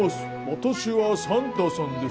私はサンタさんです。